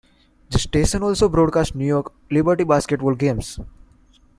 The station also broadcast New York Liberty basketball games.